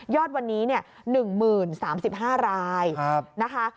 ยอดวันนี้เนี่ย๑๐๐๓๕รายนะคะ